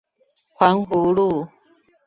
環湖路